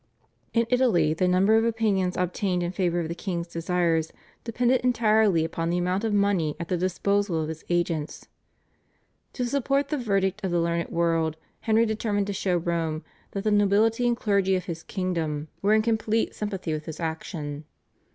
In Italy the number of opinions obtained in favour of the king's desires depended entirely upon the amount of money at the disposal of his agents. To support the verdict of the learned world Henry determined to show Rome that the nobility and clergy of his kingdom were in complete sympathy with his action.